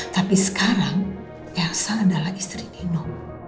tapi sekarang elsa adalah istri dino